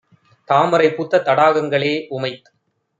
தாமரை பூத்த தடாகங்களே! உமைத்